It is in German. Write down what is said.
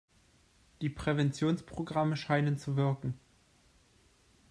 Die Präventionsprogramme scheinen zu wirken.